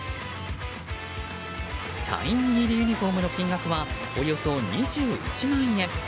サイン入りのユニホームの金額はおよそ２１万円。